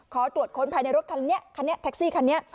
ขอตรวจค้นภายในรถคันนี้คันนี้แท็กซี่คันนี้